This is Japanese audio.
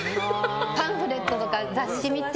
パンフレットとか雑誌見て。